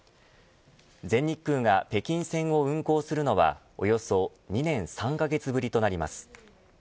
全日空が北京線を運行するのはおよそ２年３カ月ぶりとなります。